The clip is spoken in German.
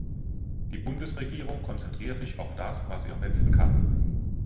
Die Bundesregierung konzentriert sich auf das, was sie am besten kann.